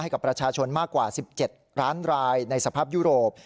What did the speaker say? กับประชาชนมากกว่า๑๗ล้านรายในสภาพยุโรป